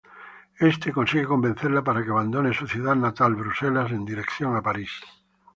Este consigue convencerla para que abandone su ciudad natal, Bruselas, en dirección a París.